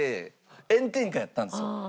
炎天下やったんですよ。